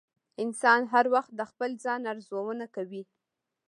انسان هر وخت د خپل ځان ارزونه کوي.